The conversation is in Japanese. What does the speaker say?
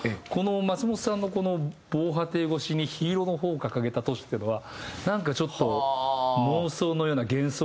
松本さんのこの「防波堤ごしに緋色の帆を掲げた都市」っていうのはなんかちょっと妄想のような幻想のような。